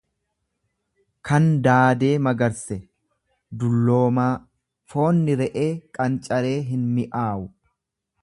kan daadee magarse, dulloomaa; Foonni re'ee qancaree hinmi'aawu.